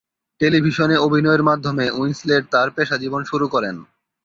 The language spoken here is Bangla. টেলিভিশনে অভিনয়ের মাধ্যমে উইন্সলেট তার পেশাজীবন শুরু করেন।